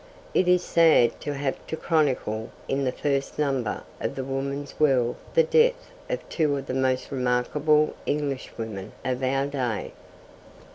It is sad to have to chronicle in the first number of the Woman's World the death of two of the most remarkable Englishwomen of our day.